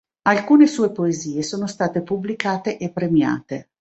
Alcune sue poesie sono state pubblicate e premiate.